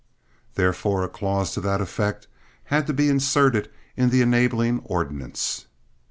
Therefore a clause to that effect had to be inserted in the enabling ordinance.